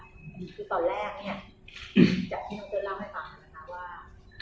คือตอนแรกเนี่ยอยากที่น้องเติ้ลเล่าให้ฟังค่ะนะคะว่า